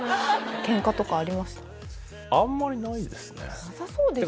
ケンカとかありますか？